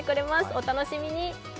お楽しみに。